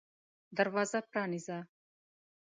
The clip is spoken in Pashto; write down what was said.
دروازه پرانیزه !